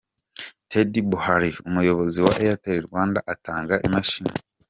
Teddy Bhullar, umuyobozi wa Airtel Rwanda atanga imashini.